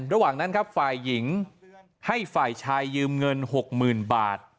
ระหว่างนั้นครับฝ่ายหญิงให้ฝ่ายชายยืมเงิน๖๐๐๐บาท